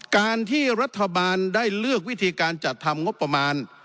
การที่รัฐบาลได้เลือกวิธีการจัดทำงบประมาณ